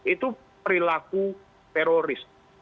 itu perilaku teroris